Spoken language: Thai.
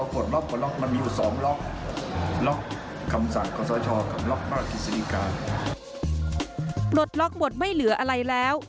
ปลดล็อกหมดไม่เหลืออะไรแล้ว